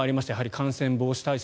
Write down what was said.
感染防止対策